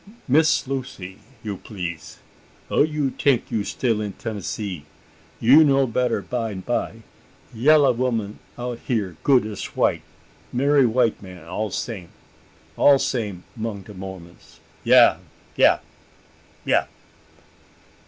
"Miss Lucy, you please. Don't you tink you still in Tennessee! You' know better bye 'n bye. Yella woman out heer good as white marry white man all same all same 'mong da Mormons yah, yah, yah!"